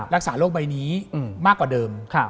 รักษาโรคใบนี้มากกว่าเดิม